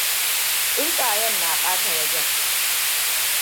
Tsuntsayen na bata wajen.